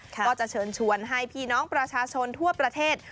ก็จะเชิญชวนให้พี่น้องประชาชนทั่วประเทศ